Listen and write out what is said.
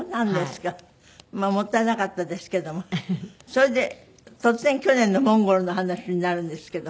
それで突然去年のモンゴルの話になるんですけど。